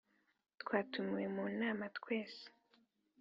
Twatumiwe mu nama twese